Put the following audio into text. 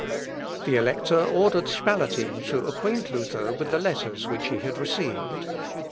The Elector ordered Spalatin to acquaint Luther with the letters which he had received.